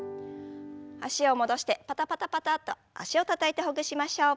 脚を戻してパタパタパタッと脚をたたいてほぐしましょう。